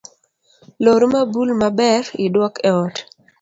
Lor mabul maber iduok eot